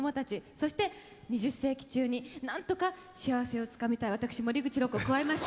そして２０世紀中になんとか幸せをつかみたい私森口博子を加えまして。